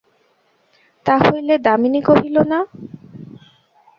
তা হইলে– দামিনী কহিল, না।